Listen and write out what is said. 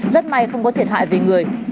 rất may không có thiệt hại về người